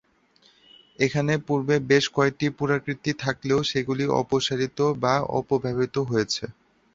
এখানে পূর্বে বেশ কয়েকটি পুরাকীর্তি থাকলেও সেগুলি অপসারিত বা অপহৃত হয়েছে।